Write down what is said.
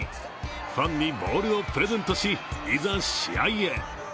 ファンのボールをプレゼントし、いざ試合へ。